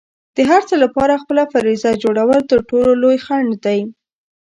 د هر څه لپاره خپله فرضیه جوړول تر ټولو لوی خنډ دی.